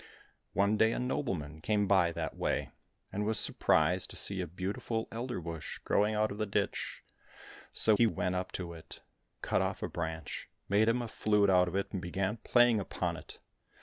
One day a nobleman came by that way, and was surprised to see a beautiful elder bush growing out of the ditch ; so he went up to it, cut off a branch, made him a flute out of it, and began playing upon it.